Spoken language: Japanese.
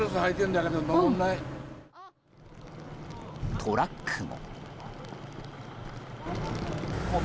トラックも。